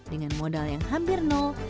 dengan modal yang hampir nol